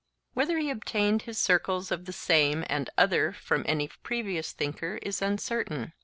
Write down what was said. Whether he obtained his circles of the Same and Other from any previous thinker is uncertain.